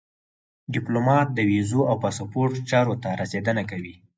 ډيپلومات د ویزو او پاسپورټ چارو ته رسېدنه کوي.